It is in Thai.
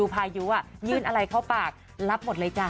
พายุยื่นอะไรเข้าปากรับหมดเลยจ้ะ